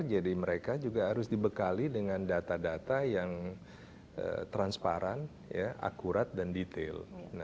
jadi mereka juga harus dibekali dengan data data yang transparan akurat dan detail